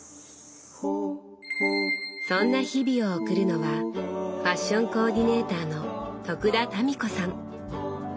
そんな日々を送るのはファッションコーディネーターの田民子さん。